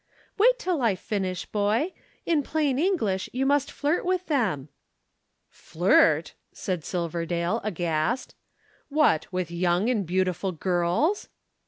"Wait till I finish, boy! In plain English, you must flirt with them." "Flirt?" said Silverdale, aghast. "What! With young and beautiful girls?"